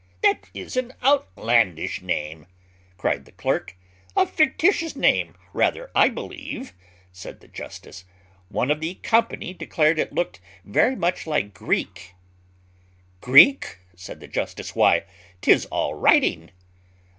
"That is an outlandish name," cried the clerk. "A fictitious name rather, I believe," said the justice. One of the company declared it looked very much like Greek. "Greek?" said the justice; "why, 'tis all writing."